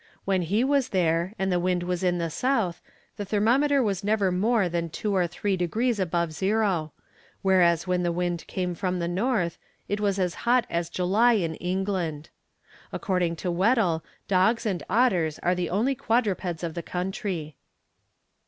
When he was there and the wind was in the south the thermometer was never more than two or three degrees above zero, whereas when the wind came from the north it was as hot as July in England. According to Weddell dogs and otters are the only quadrupeds of the country.